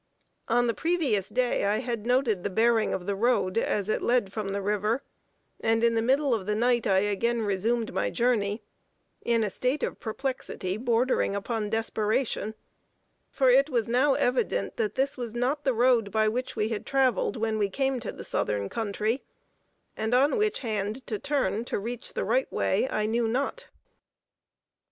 On the previous day I had noted the bearing of the road, as it led from the river, and in the middle of the night I again resumed my journey, in a state of perplexity bordering upon desperation; for it was now evident that this was not the road by which we had traveled when we came to the southern country, and on which hand to turn to reach the right way I knew not.